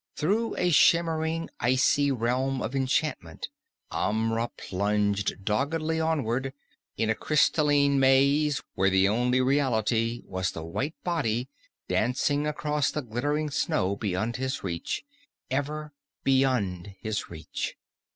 Through a shimmering icy realm of enchantment Amra plunged doggedly onward, in a crystaline maze where the only reality was the white body dancing across the glittering snow beyond his reach ever beyond his reach.